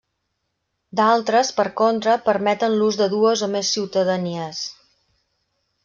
D'altres, per contra, permeten l'ús de dues o més ciutadanies.